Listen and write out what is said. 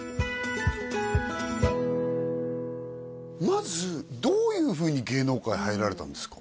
まずどういうふうに芸能界入られたんですか？